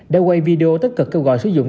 đã quay video tất cực câu gọi sử dụng